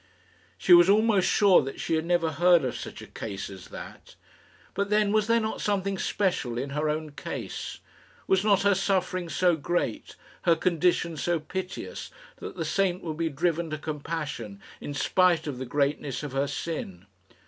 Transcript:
She was almost sure that she had never heard of such a case as that. But, then, was there not something special in her own case? Was not her suffering so great, her condition so piteous, that the saint would be driven to compassion in spite of the greatness of her sin?